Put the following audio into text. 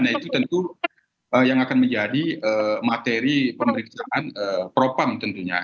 nah itu tentu yang akan menjadi materi pemeriksaan propam tentunya